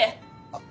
あっ。